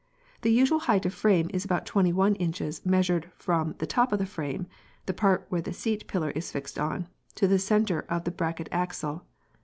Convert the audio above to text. The usual height of frame is about 21 inches measured from the top of the frame—the part where the seat pillar is fixed in—to the centre of the bracket axle (Fig.